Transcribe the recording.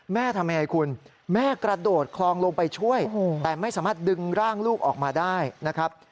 ทำยังไงคุณแม่กระโดดคลองลงไปช่วยแต่ไม่สามารถดึงร่างลูกออกมาได้นะครับ